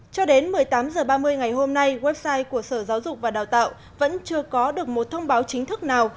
cho đến một mươi tám h ba mươi ngày hôm nay website của sở giáo dục và đào tạo vẫn chưa có được một thông báo chính thức nào